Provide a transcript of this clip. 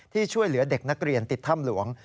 ช่วยเหลือเด็กนักเรียนติดถ้ำหลวง